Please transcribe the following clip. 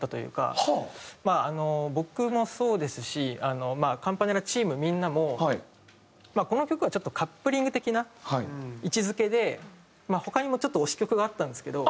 まあ僕もそうですしカンパネラチームみんなもこの曲はちょっとカップリング的な位置付けで他にもちょっと推し曲があったんですけど。